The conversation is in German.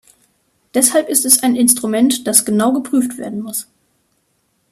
Deshalb ist es ein Instrument, dass genau geprüft werden muss.